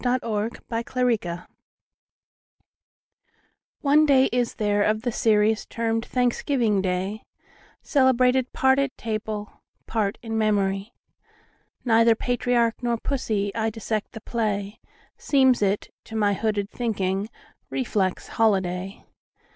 Part One: Life CXXXVII ONE day is there of the seriesTermed Thanksgiving day, Celebrated part at table, Part in memory. Neither patriarch nor pussy,I dissect the play; Seems it, to my hooded thinking, Reflex holiday.